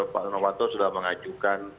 pak sidenovanto sudah mengajukan